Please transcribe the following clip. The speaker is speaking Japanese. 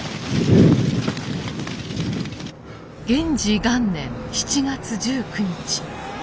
元治元年７月１９日。